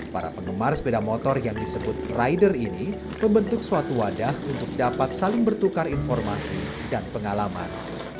para penggemar sepeda motor yang disebut rider ini membentuk suatu wadah untuk dapat saling bertukar informasi dan pengalaman